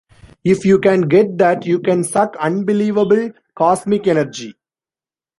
If you can get that you can suck unbelievable cosmic energy.